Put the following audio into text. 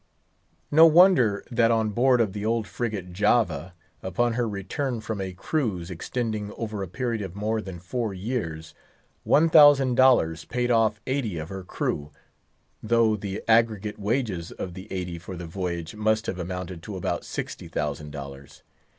No wonder that on board of the old frigate Java, upon her return from a cruise extending over a period of more than four years, one thousand dollars paid off eighty of her crew, though the aggregate wages of the eighty for the voyage must have amounted to about sixty thousand dollars.